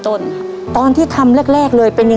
มันก็จะมีความสุขมีรอยยิ้ม